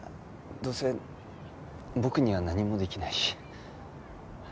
どうせ僕には何もできないし。